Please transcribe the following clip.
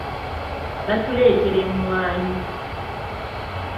Batuletera emmwanyi.